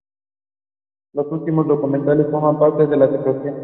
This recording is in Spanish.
Los dos últimos documentales forman parte de una trilogía.